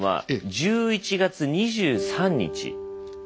１１月２３日